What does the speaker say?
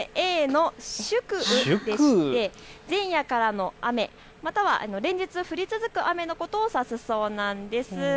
正解はＡの宿雨でして、前夜からの雨、または連日降り続く雨のことを指すそうなんです。